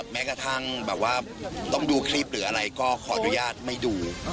แม้กระทั่งแบบว่าต้องดูคลิปหรืออะไรก็ขออนุญาตไม่ดู